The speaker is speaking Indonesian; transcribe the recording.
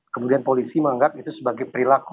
kemudian polisi menganggap itu sebagai perilaku